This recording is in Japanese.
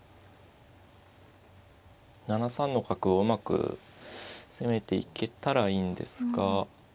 ７三の角をうまく攻めていけたらいいんですが。